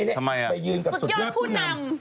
ทำไมน่ะสุดยอดผู้นำไปยืนกับสุดยอดผู้นำ